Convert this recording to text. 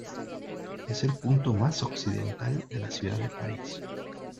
Es el punto más occidental de la ciudad de Paris.